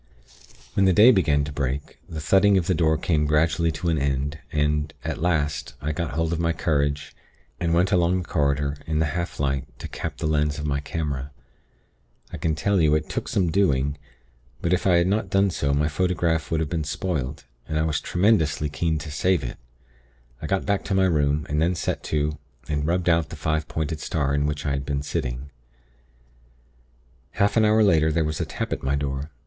"When the day began to break, the thudding of the door came gradually to an end, and, at last, I got hold of my courage, and went along the corridor in the half light to cap the lens of my camera. I can tell you, it took some doing; but if I had not done so my photograph would have been spoilt, and I was tremendously keen to save it. I got back to my room, and then set to and rubbed out the five pointed star in which I had been sitting. "Half an hour later there was a tap at my door.